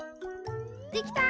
できた！